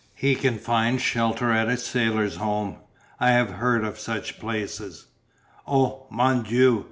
He can find shelter at a sailors' home I have heard of such places." "Oh, Mon Dieu!